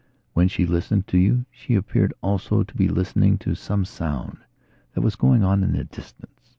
When she listened to you she appeared also to be listening to some sound that was going on in the distance.